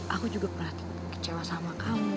aku juga pernah kecewa sama kamu